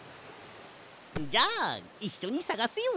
じゃあいっしょにさがすよ。